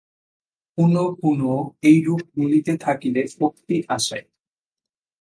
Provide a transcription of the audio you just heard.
পুনঃপুন এইরূপ বলিতে থাকিলে শক্তি আসে।